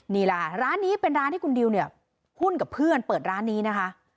นี่แหละร้านนี้เป็นร้านที่คุณดิวเนี่ยหุ้นกับเพื่อนเปิดร้านนี้นะคะ